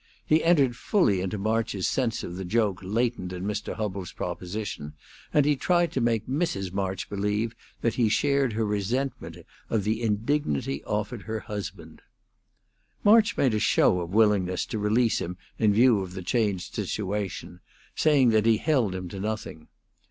He entered fully into March's sense of the joke latent in Mr. Hubbell's proposition, and he tried to make Mrs. March believe that he shared her resentment of the indignity offered her husband. March made a show of willingness to release him in view of the changed situation, saying that he held him to nothing.